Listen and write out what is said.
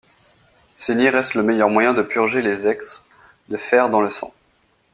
Saigner reste le meilleur moyen de purger les exc de fer dans le sang.